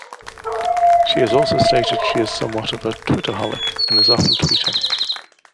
She has also stated she is somewhat of a "Twitter-holic" and is often tweeting.